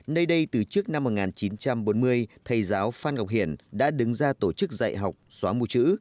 nơi đây từ trước năm một nghìn chín trăm bốn mươi thầy giáo phan ngọc hiển đã đứng ra tổ chức dạy học xóa mù chữ